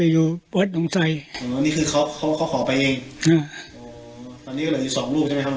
นี่คือเขาเขาเขาขอไปเอง